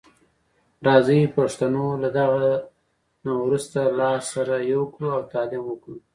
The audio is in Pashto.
راځي پښتنو له دغه نه وروسته لاس سره یو کړو او تعلیم وکړو.